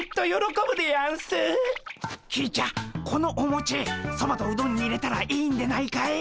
きーちゃんこのおもちそばとうどんに入れたらいいんでないかい？